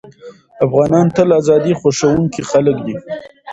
افغانان تل ازادي خوښوونکي خلک دي.